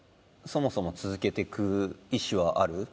そもそも続けていく意思はある？